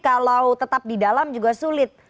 kalau tetap di dalam juga sulit